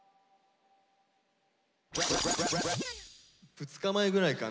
２日前ぐらいかな。